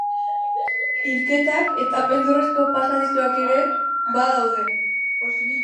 Hilketak eta beldurrezko pasadizoak ere badaude.